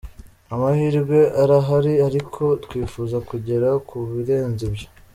Amahirwe arahari ariko twifuza kugera ku birenze ibyo.